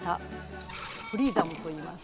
フリーダムといいます。